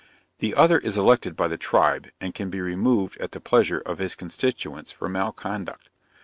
The other is elected by the tribe, and can be removed at the pleasure of his constituents for malconduct.